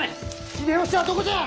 ・秀吉はどこじゃ！